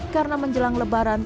karena menjelaskan penyelamatnya